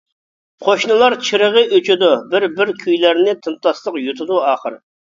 قوشنىلار چىرىغى ئۆچىدۇ بىر-بىر، كۈيلەرنى تىمتاسلىق يۇتىدۇ ئاخىر.